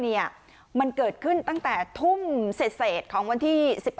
นี้มันเกิดขึ้นตั้งแต่ทุ่มเศษของวันที่สิบห้า